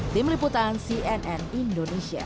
tim liputan cnn indonesia